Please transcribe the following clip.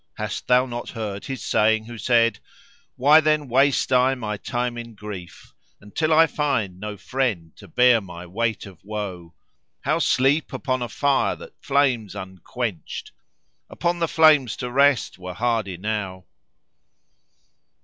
Hast thou not heard his saying who said:— Why then waste I my time in grief, until I * find no friend to bear my weight of woe How sleep upon a fire that flames unquenched? * Upon the flames to rest were hard enow!"